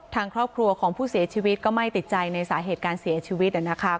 ทางครอบครัวของผู้เสียชีวิตก็ไม่ติดใจในสาเหตุการเสียชีวิตนะครับ